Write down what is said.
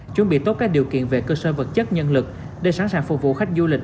chuẩn bị tốt các điều kiện về cơ sở vật chất nhân lực để sẵn sàng phục vụ khách du lịch